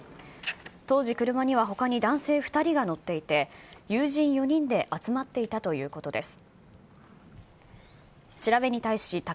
当時、車にはほかに男性２人が乗っていて、友人４人で集まっていたということです。